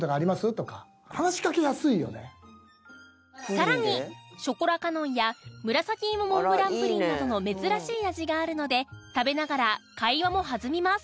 更にショコラカノンや紫芋モンブランプリンなどの珍しい味があるので食べながら会話も弾みます